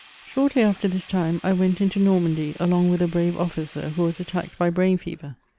Shortly after this time I went into Normandy, along with a brave officer, who was attacked by brain fever.